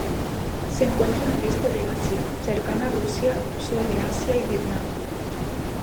Se encuentra en el Este de Asia, cercana Rusia, Sur de Asia y Vietnam.